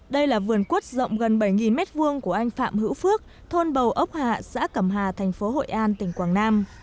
đây là vườn quất rộng gần bảy m hai của anh phạm hữu phước thôn bầu ốc hạ xã cẩm hà thành phố hội an tỉnh quảng nam